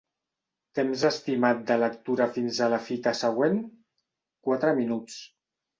Temps estimat de lectura fins a la fita següent: quatre minuts.